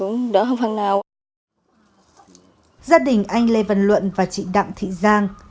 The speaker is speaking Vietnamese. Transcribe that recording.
gia đình anh lê văn luận và chị đặng thị giang